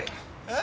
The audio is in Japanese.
え？